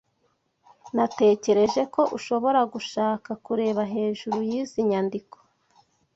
Natekereje ko ushobora gushaka kureba hejuru yizi nyandiko.